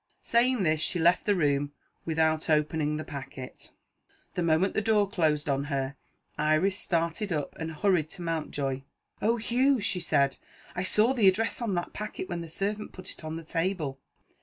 saying this she left the room, without opening the packet. The moment the door closed on her, Iris started up, and hurried to Mountjoy. "Oh, Hugh," she said, "I saw the address on that packet when the servant put it on the table!"